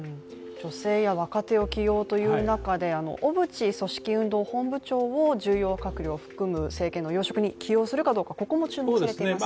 女性や若手を起用という中で小渕組織運動本部長を重要閣僚を含む要職に起用するかどうかも注目されていますよね。